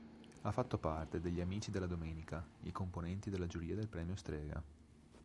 Ha fatto parte degli "Amici della domenica", i componenti della giuria del Premio Strega.